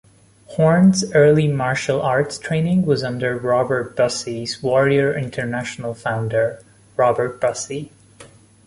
Horn's early martial arts training was under Robert Bussey's Warrior International founder, Robert Bussey.